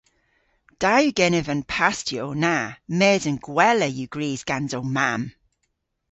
Da yw genev an pastiow na mes an gwella yw gwrys gans ow mamm.